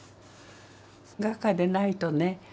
画家でないとね